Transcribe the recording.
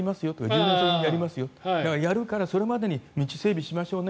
１０年先にやりますよだから、やるからそれまでに道を整備しましょうね